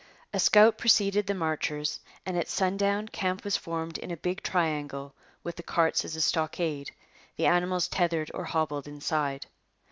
A scout preceded the marchers, and at sundown camp was formed in a big triangle with the carts as a stockade, the animals tethered or hobbled inside.